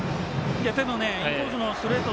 でもインコースのストレート